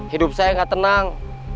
hidup saya gak tenang